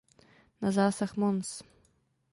Na zásah Mons.